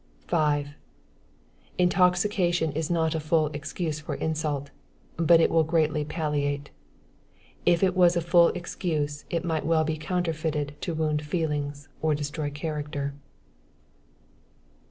5. Intoxication is not a full excuse for insult, but it will greatly palliate. If it was a full excuse, it might be well counterfeited to wound feelings, or destroy character.